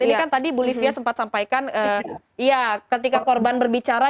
ini kan tadi bu livia sempat sampaikan ya ketika korban berbicara